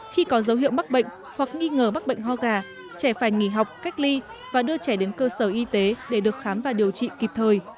khi có dấu hiệu mắc bệnh hoặc nghi ngờ mắc bệnh ho gà trẻ phải nghỉ học cách ly và đưa trẻ đến cơ sở y tế để được khám và điều trị kịp thời